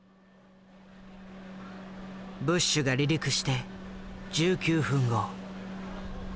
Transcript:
ブッシュが離陸して１９分後。